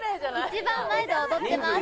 一番前で踊ってます。